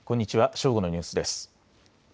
正午のニュースです。